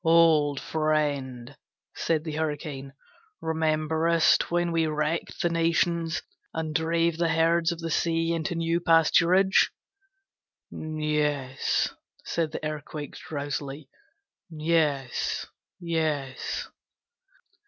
'Old friend,' said the Hurricane, 'rememberest when we wrecked the nations and drave the herds of the sea into new pasturage?' 'Yes,' said the Earthquake, drowsily; 'Yes, yes.'